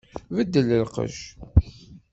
Beddel lqecc!